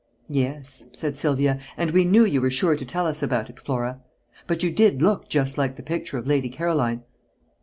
"Yes," said Sylvia, "and we knew you were sure to tell us about it, Flora. But you did look just like the picture of Lady Caroline."